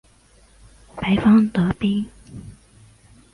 白方得兵。